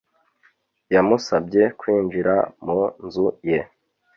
Yamusabye kwinjira mu nzu ye